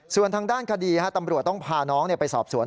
ส่วนทางด้านคดีตำรวจต้องพาน้องไปสอบสวน